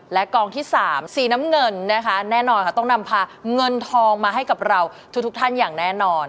และกองที่๓สีน้ำเงินนะคะแน่นอนค่ะต้องนำพาเงินทองมาให้กับเราทุกท่านอย่างแน่นอน